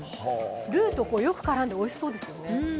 ルーとよく絡んで、おいしそうですよね。